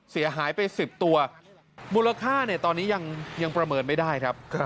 เสียหายไป๑๐ตัวมูลค่าตอนนี้ยังประเมินไม่ได้ครับ